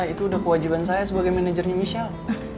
itu udah kewajiban saya sebagai manajernya michelle